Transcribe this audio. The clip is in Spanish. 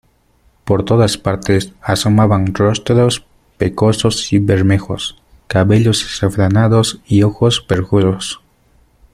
por todas partes asomaban rostros pecosos y bermejos, cabellos azafranados y ojos perjuros.